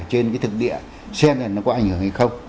trên cái thực địa xem là nó có ảnh hưởng hay không